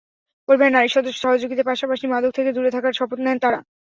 পরিবারের নারী সদস্যদের সহযোগিতার পাশাপাশি মাদক থেকে দূরে থাকার শপথ নেন তাঁরা।